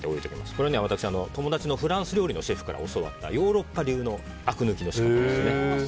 これは友達のフランス料理のシェフから教わったヨーロッパ流のあく抜きの仕方です。